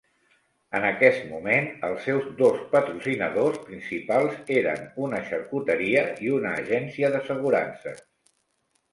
En aquest moment els seus dos patrocinadors principals eren una xarcuteria i una agència d'assegurances.